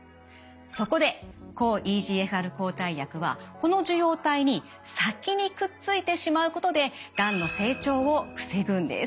そこで抗ＥＧＦＲ抗体薬はこの受容体に先にくっついてしまうことでがんの成長を防ぐんです。